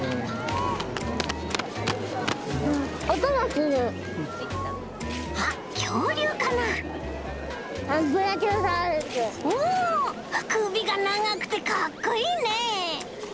くびがながくてかっこいいね！